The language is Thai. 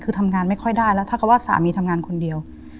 คือทำงานไม่ค่อยได้แล้วถ้าเขาว่าสามีทำงานคนเดียว